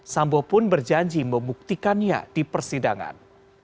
sambo pun berjanji membuktikannya di persidangan